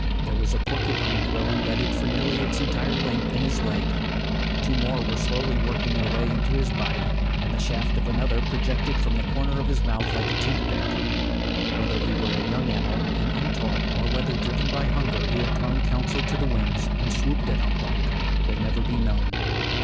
There was a porcupine quill imbedded for nearly its entire length in his leg. Two more were slowly working their way into his body; and the shaft of another projected from the corner of his mouth like a toothpick. Whether he were a young owl and untaught, or whether, driven by hunger, he had thrown counsel to the winds and swooped at Unk Wunk, will never be known.